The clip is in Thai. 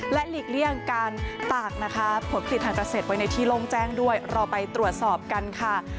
หลีกเลี่ยงการตากนะคะผลผลิตทางเกษตรไว้ในที่โล่งแจ้งด้วยเราไปตรวจสอบกันค่ะ